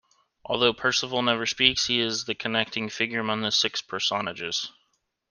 Although Percival never speaks, he is the connecting figure among the six personages.